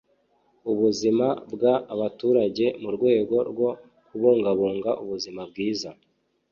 ubuzima bw abaturage mu rwego rwo kubungabunga ubuzima bwiza